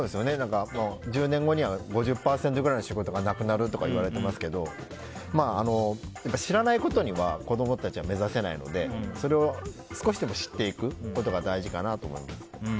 １０年後には５０％ぐらいの仕事がなくなるとかいわれていますけど知らないことには子供たちは目指せないのでそれを少しでも知っていくことが大事かなと思います。